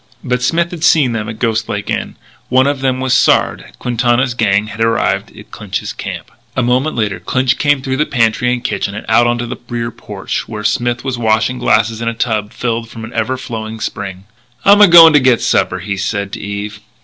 But Smith had seen them at Ghost Lake Inn. One of them was Sard. Quintana's gang had arrived at Clinch's dump. A moment later Clinch came through the pantry and kitchen and out onto the rear porch where Smith was washing glasses in a tub filled from an ever flowing spring. "I'm a going to get supper," he said to Eve.